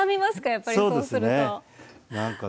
やっぱりそうすると。